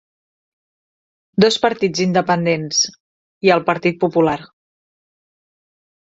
Dos partits independents, i el Partit Popular.